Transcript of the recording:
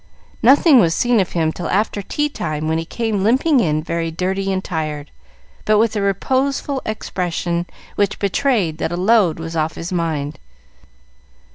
Nothing was seen of him till after tea time, when he came limping in, very dirty and tired, but with a reposeful expression, which betrayed that a load was off his mind.